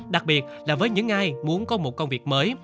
đặc biệt là với những ai muốn có một công việc mới